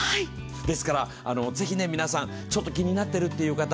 ですからぜひ皆さん、気になっているという方